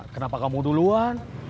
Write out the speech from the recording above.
kenapa kamu duluan